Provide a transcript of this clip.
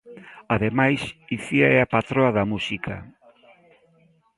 Ademais, Icía é a patroa da música.